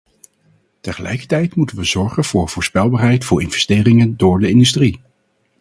Tegelijkertijd moeten we zorgen voor voorspelbaarheid voor investeringen door de industrie.